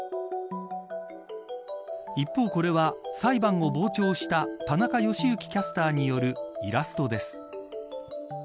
一方これは、裁判を傍聴した田中良幸キャスターによるイラストです。